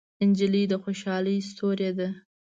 نجلۍ د خوشحالۍ ستورې ده.